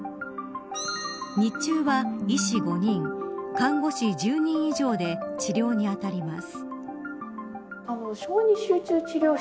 日中は医師５人看護師１０人以上で治療に当たります。